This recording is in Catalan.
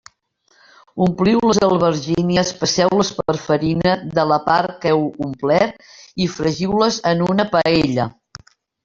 Ompliu les albergínies, passeu-les per farina de la part que heu omplert i fregiu-les en una paella.